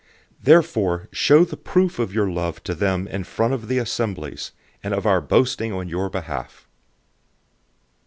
008:024 Therefore show the proof of your love to them in front of the assemblies, and of our boasting on your behalf.